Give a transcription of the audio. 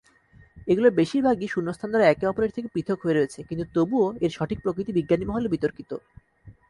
এগুলোর বেশিরভাগই শূন্যস্থান দ্বারা একে অপরের থেকে পৃথক হয়ে রয়েছে কিন্তু তবুও এর সঠিক প্রকৃতি বিজ্ঞানী মহলে বিতর্কিত।